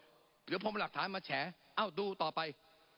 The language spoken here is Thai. เดี๋ยวผมมาหลักฐานมาแฉดูต่อไป